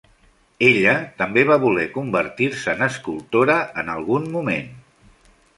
Ella també va voler convertir-se en escultora en algun moment.